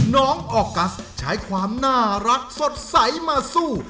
น้องออกัสใช้ความน่ารักสดใสมาสู้